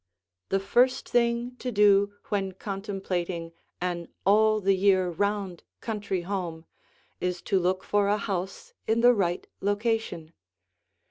The first thing to do when contemplating an all the year round country home is to look for a house in the right location.